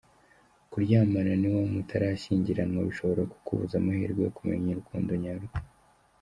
kuryamana n’uwo mutarashyigiranwa bishobora kukubuza amahirwe yo kumenya urukundo nyarwo.